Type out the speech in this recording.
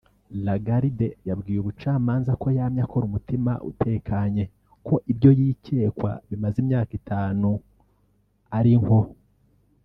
Lagarde yabwiye ubucamanza ko yamye akora umutima utekanye ko ivyo yikekwa bimaze imyaka itanu ari nko